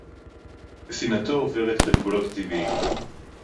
שִׂנְאָתוֹ עוֹבֶרֶת אֶת הַגְּבוּלוֹת הַטִּבְעִיִּים.